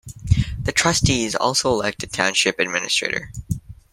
The trustees also elect a township administrator.